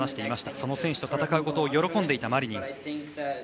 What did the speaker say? その選手と戦うことを喜んでいたマリニン。